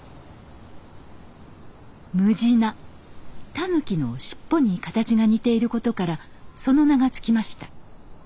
タヌキの尻尾に形が似ていることからその名が付きました。